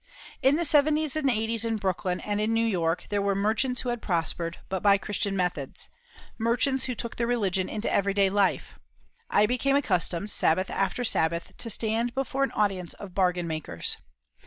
In the '70's and '80's in Brooklyn and in New York there were merchants who had prospered, but by Christian methods merchants who took their religion into everyday life. I became accustomed, Sabbath after Sabbath, to stand before an audience of bargain makers.